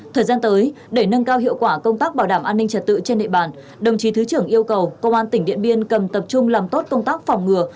thời gian tới để nâng cao hiệu quả công tác bảo đảm an ninh trật tự trên địa bàn đồng chí thứ trưởng yêu cầu công an tỉnh điện biên cần tập trung làm tốt công tác phòng ngừa